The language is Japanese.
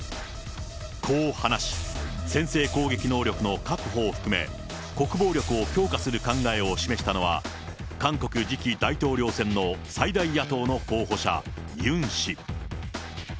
こう話し、先制攻撃能力の確保を含め、国防力を強化する考えを示したのは、韓国次期大統領選の最大野党の候補者、ユン氏。